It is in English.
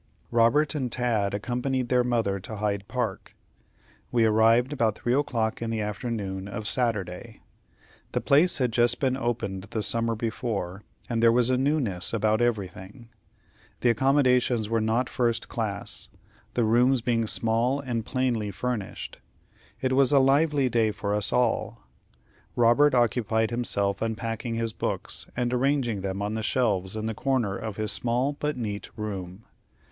Robert and Tad accompanied their mother to Hyde Park. We arrived about 3 o'clock in the afternoon of Saturday. The place had just been opened the summer before, and there was a newness about everything. The accommodations were not first class, the rooms being small and plainly furnished. It was a lively day for us all. Robert occupied himself unpacking his books, and arranging them on the shelves in the corner of his small but neat room.